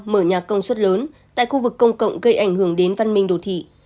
mở nhà công suất lớn tại khu vực công cộng gây ảnh hưởng đến văn minh đồ thị